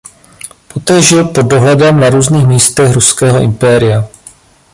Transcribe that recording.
Poté žil pod dohledem na různých místech Ruského impéria.